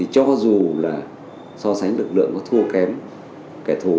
cho dù là so sánh lực lượng có thua kém kẻ thù